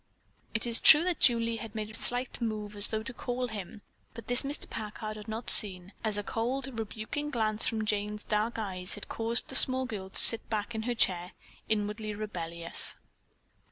It is true that Julie had made a slight move as though to call to him, but this Mr. Packard had not seen, as a cold, rebuking glance from Jane's dark eyes had caused the small girl to sit back in her chair, inwardly rebellious.